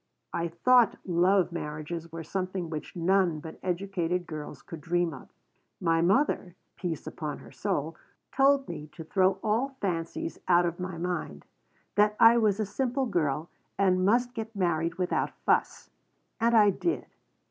I thought love marriages were something which none but educated girls could dream of. My mother peace upon her soul told me to throw all fancies out of my mind, that I was a simple girl and must get married without fuss. And I did.